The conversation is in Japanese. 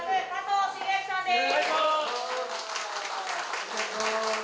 お願いします。